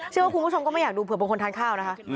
เชื่อว่าคุณผู้ชมก็ไม่อยากดูเผื่อบางคนทานข้าวนะคะ